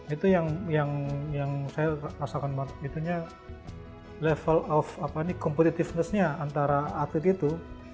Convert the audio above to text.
itu yang saya rasakan level of competitiveness nya antara atlet itu